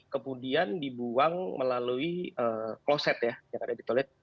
kemudian dibuang melalui kloset ya